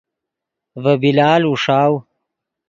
ڤے بلال اوݰاؤ